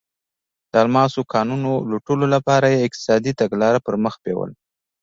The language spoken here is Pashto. د الماسو کانونو لوټلو لپاره یې اقتصادي تګلاره پر مخ بیوله.